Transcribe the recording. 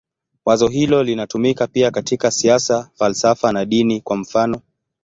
Wazo hilo linatumika pia katika siasa, falsafa na dini, kwa mfanof.